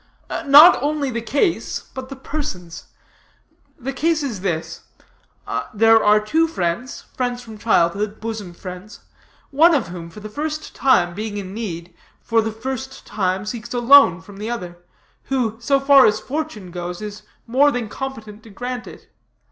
"Not only the case, but the persons. The case is this: There are two friends, friends from childhood, bosom friends; one of whom, for the first time, being in need, for the first time seeks a loan from the other, who, so far as fortune goes, is more than competent to grant it.